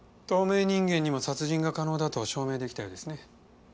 透明人間にも殺人が可能だと証明できたようですね。